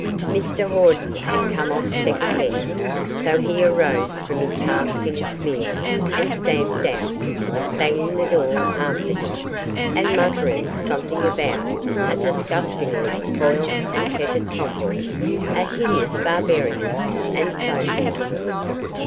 Mr Hawden had come off second best, so he arose from his half finished meal and stamped out, banging the door after him, and muttering something about "a disgustingly spoilt and petted tomboy", "a hideous barbarian", and so forth.